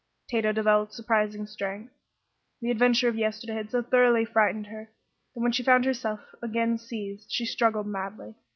Tato developed surprising strength. The adventure of yesterday had so thoroughly frightened her that when she found herself again seized she struggled madly.